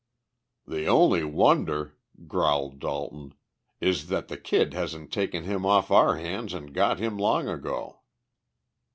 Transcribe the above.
"The only wonder," growled Dalton, "is that the Kid hasn't taken him off our hands and got him long ago!"